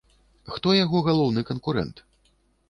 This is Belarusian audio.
Хто яго галоўны канкурэнт?